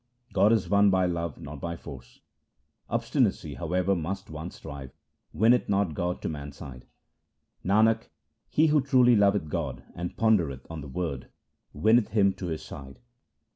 God is won by love, not by force :— Obstinacy, however much one strive, winneth not God to man's side ; Nanak, he who truly loveth God and pondereth on the Word, winneth Him to his side.